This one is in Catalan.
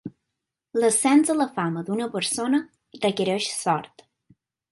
L'ascens a la fama d'una persona requereix sort.